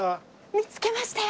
見つけましたよ！